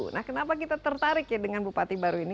nah kenapa kita tertarik ya dengan bupati baru ini